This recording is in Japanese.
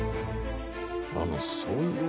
あのそういう。